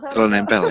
terlalu nempel ya